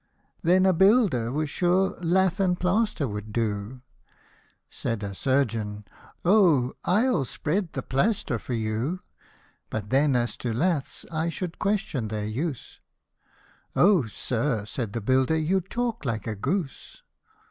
Then a builder was sure lath and plaster would do ; Said a surgeon, " O ! I'll spread the plaister for you ; But then as to laths, \ should question their use." '' O, sir," said the builder, " you talk like a goose